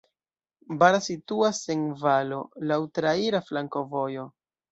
Bara situas en valo, laŭ traira flankovojo.